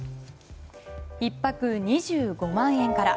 １泊２５万円から。